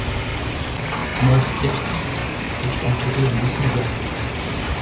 Moerkerke est entouré de beaucoup de verdure.